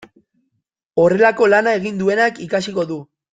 Horrelako lana egin duenak ikasiko du.